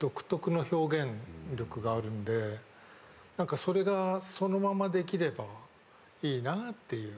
独特な表現力があるんでそれがそのままできればいいなっていう。